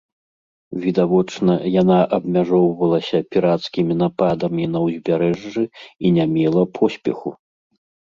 Відавочна, яна абмяжоўвалася пірацкімі нападамі на ўзбярэжжы і не мела поспеху.